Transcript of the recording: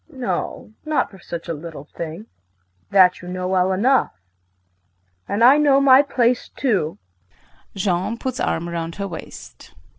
No, not for such a little thing. That you know well enough. And I know my place too JEAN [Puts arm around her waist].